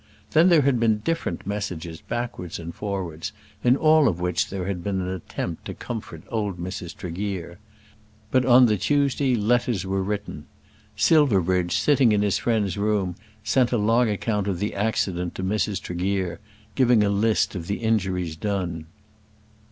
Then there had been different messages backwards and forwards, in all of which there had been an attempt to comfort old Mrs. Tregear. But on the Tuesday letters were written. Silverbridge, sitting in his friend's room, sent a long account of the accident to Mrs. Tregear, giving a list of the injuries done.